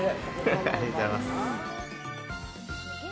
ありがとうございます。